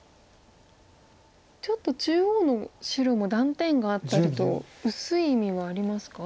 ちょっと中央の白も断点があったりと薄い意味はありますか？